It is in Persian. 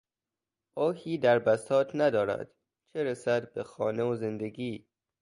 آهی در بساط ندارد، چه رسد به خانه و زندگی!